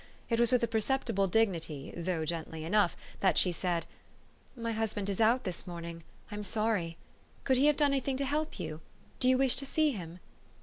It was with a perceptible dignity, though gentty enough, that she said, " My husband is out this morning. I am sorry. Could he have done any thing to help you ? Do you wish to see him?"